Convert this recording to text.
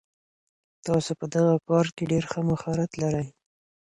تاسو په دغه کار کي ډېر ښه مهارت لرئ.